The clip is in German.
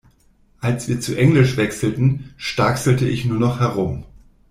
Als wir zu Englisch wechselten, stakselte ich nur noch herum.